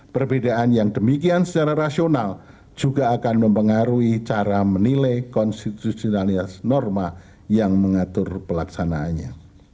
perbedaan yang demikian secara rasional juga akan mempengaruhi cara menilai konstitusionalitas norma yang mengatur pelaksanaannya